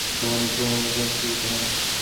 সগুণ ঈশ্বর এই মূলসূত্রের আর একটি উদাহরণ।